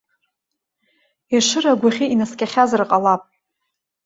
Ешыра агәахьы инаскьахьазар ҟалап.